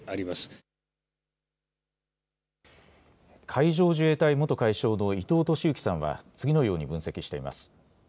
海上自衛隊元海将の伊藤俊幸さんは次のように分析しています。